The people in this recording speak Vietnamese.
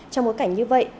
trong một cảnh như vậy